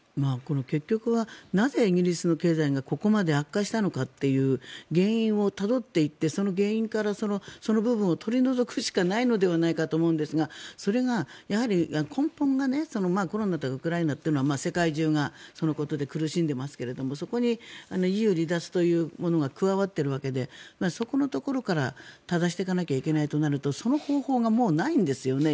結局はなぜ、イギリスの経済がここまで悪化したのかという原因をたどっていってその原因から、その部分を取り除くしかないのではないかと思うんですがそれがやはり根本がコロナとウクライナというのは世界中がそのことで苦しんでいますがそこにＥＵ離脱というものが加わっているわけでそこのところから正していかないといけないとなるとその方法がもうないんですよね。